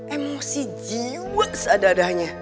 emosi jiwa seadah adahnya